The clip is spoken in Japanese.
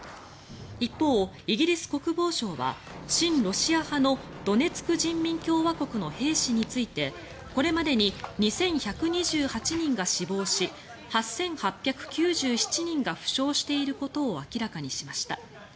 一方、イギリス国防省は親ロシア派のドネツク人民共和国の兵士についてこれまでに２１２８人が死亡し８８９７人が負傷していることを明らかにしました。